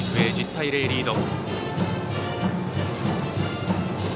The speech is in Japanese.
１０対０とリード。